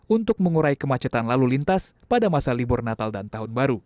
untuk mengurai kemacetan lalu lintas pada masa libur natal dan tahun baru